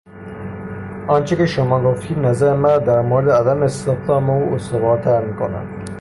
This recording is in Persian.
آنچه که شما گفتید نظر مرا در مورد عدم استخدام او استوارتر میکند.